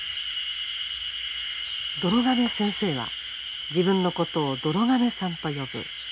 どろ亀先生は自分のことを「どろ亀さん」と呼ぶ。